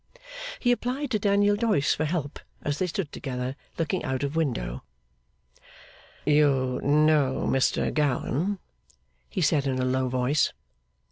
He applied to Daniel Doyce for help, as they stood together, looking out of window. 'You know Mr Gowan?' he said in a low voice.